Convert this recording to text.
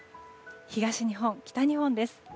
東日本、北日本です。